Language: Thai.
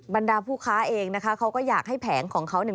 บรรดาผู้ค้าเองนะคะเขาก็อยากให้แผงของเขาเนี่ย